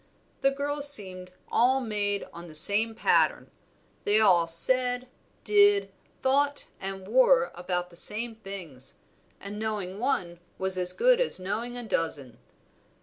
The girls seemed all made on the same pattern; they all said, did, thought, and wore about the same things, and knowing one was as good as knowing a dozen.